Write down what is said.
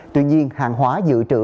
tuy nhiên hàng hóa dự trữ